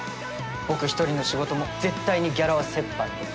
僕一人の仕事も絶対にギャラは折半で。